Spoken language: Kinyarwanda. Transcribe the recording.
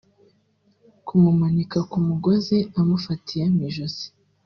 kumumanika ku mugozi umufatiye mu ijosi